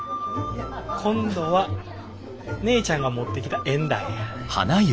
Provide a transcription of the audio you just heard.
今度は姉ちゃんが持ってきた縁談や。